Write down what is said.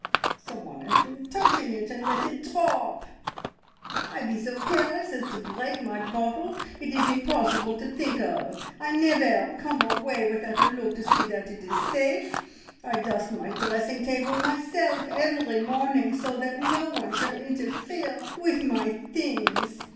"Someone has been touching it and let it drop." "I be so careless as to break my bottle? It is impossible to think of! I never come away without a look to see that it is safe. I dust my dressing table myself every morning, so that no one shall interfere with my things.